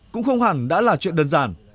cũng không hẳn đã là chuyện đơn giản